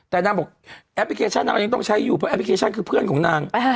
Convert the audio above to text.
แต่นางบอกแอปพลิเคชันนางก็ยังต้องใช้อยู่เพราะแอปพลิเคชันคือเพื่อนของนาง